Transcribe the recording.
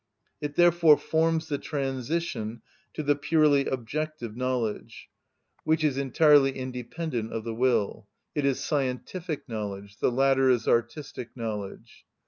It therefore forms the transition to the purely objective knowledge, which is entirely independent of the will; it is scientific knowledge, the latter is artistic knowledge.